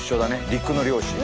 陸の漁師。